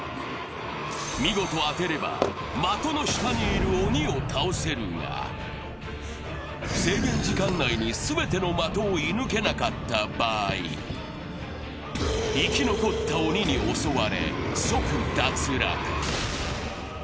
見事当てれば、的の下にいる鬼を倒せるが、制限時間内に全ての的を射ぬけなかった場合、生き残った鬼に襲われ、即脱落。